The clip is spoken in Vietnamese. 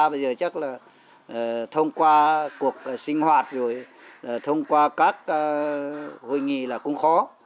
bây giờ chắc là thông qua cuộc sinh hoạt rồi thông qua các hội nghị là cũng khó